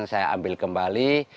saya ambil kembali